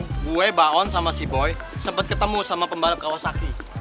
kemarin gue baon sama si boy sempet ketemu sama pembalap kawasaki